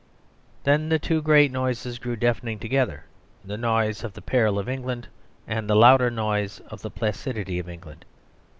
Then the two great noises grew deafening together, the noise of the peril of England and the louder noise of the placidity of England.